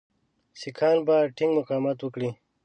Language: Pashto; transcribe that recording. سیکهان به ټینګ مقاومت وکړي.